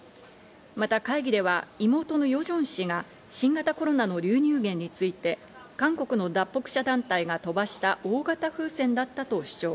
また会議では妹のヨジョン氏が新型コロナの流入源について、韓国の脱北者団体が飛ばした大型風船だったと主張。